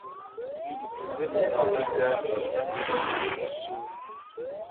bivuze kuvuga ibya minisitiri - gusura